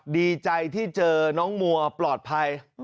ดีใจที่เจอน้องมัวปลอดภัย